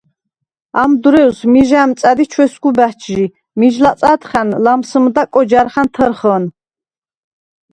ამ დვრო̈ვს მიჟ ა̈მწა̈დ ი ჩვესგუ ბა̈ჩჟი. მიჟ ლაწა̈დხა̈ნ ლამსჷმდა კოჯა̈რხა̈ნ თჷრხჷნ;